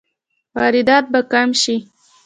واردات به کم شي؟